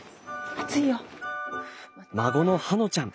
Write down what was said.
孫の葉埜ちゃん。